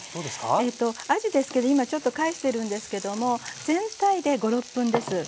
はいえとあじですけど今ちょっと返してるんですけども全体で５６分です。